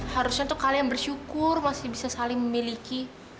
harusnya tuh kalian bersyukur masih bisa saling memiliki